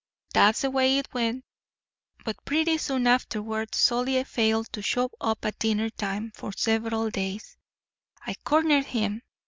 "That's the way it went. But pretty soon afterward Solly failed to show up at dinner time for several days. I cornered him.